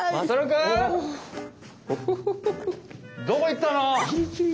どこいったの？